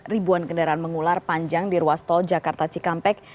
ribuan kendaraan mengular panjang di ruas tol jakarta cikampek